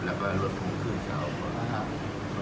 แล้วก็รวดเท่าคืนก็ถือว่ารัฐบาลจะทำแล้ว